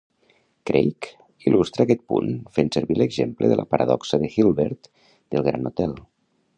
Craig il·lustra aquest punt fent servir l'exemple de la paradoxa de Hilbert del Grand Hotel.